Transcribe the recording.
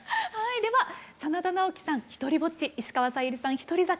では真田ナオキさん「ひとりぼっち」。石川さゆりさん「獨り酒」。